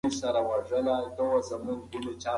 پرمختللي ټولنې د ژوند لپاره ډېر ګټې لري.